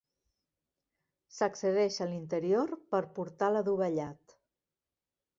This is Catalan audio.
S'accedeix a l'interior per portal adovellat.